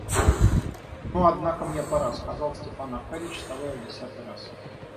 Ну, однако мне пора, — сказал Степан Аркадьич, вставая в десятый раз.